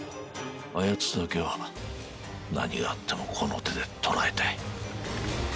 あやつだけは何があってもこの手で捕らえたい。